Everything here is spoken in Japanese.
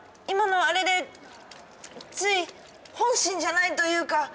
今のはあれでつい本心じゃないというか。